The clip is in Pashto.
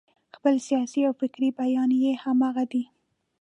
خپلې سیاسي او فکري بیانیې همغه دي.